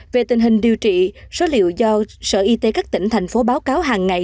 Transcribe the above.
về tình hình điều trị số liệu do sở y tế các tỉnh thành phố báo cáo hàng ngày